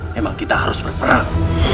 memang kita harus berperang